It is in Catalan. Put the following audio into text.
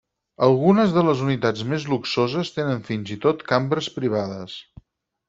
Algunes de les unitats més luxoses tenen fins i tot cambres privades.